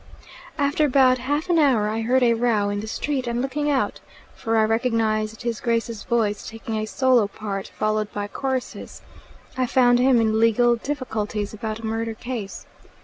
After about half an hour I heard a row in the street, and looking out, for I recognised his grace's voice taking a solo part followed by choruses, I found him in legal difficulties about a murder case.